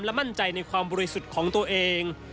และมั่นใจในความบริสุทธิ์ของตัวเอง